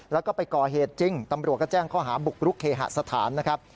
แล้วก็ไปก่อเหตุจริงตำรวจก็แจ้งข้อหาบุกรุกเคหสถานนะครับ